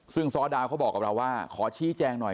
ซึ่งซ้อดาวเขาบอกกับเราว่าขอชี้แจงหน่อย